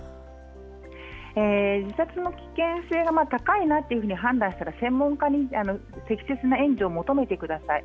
自殺の危険性が高いなと判断したら専門家に適切な援助を求めてください。